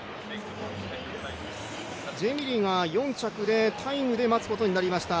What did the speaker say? ジェミリが４着で、タイムで待つことになりました。